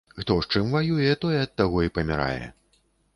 Хто з чым ваюе, той ад таго і памірае.